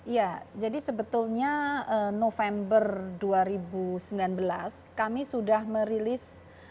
ya jadi sebetulnya november dua ribu sembilan belas kami sudah merilis